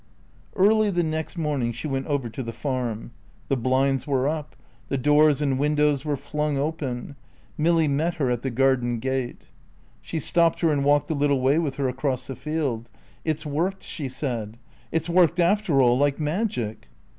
Early the next morning she went over to the Farm. The blinds were up; the doors and windows were flung open. Milly met her at the garden gate. She stopped her and walked a little way with her across the field. "It's worked," she said. "It's worked after all, like magic."